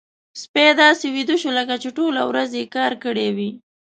سپی داسې ویده شو لکه چې ټولې ورځې يې کار کړی وي.